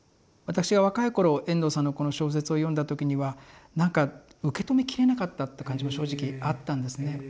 私が若い頃遠藤さんのこの小説を読んだ時にはなんか受け止めきれなかったって感じも正直あったんですね。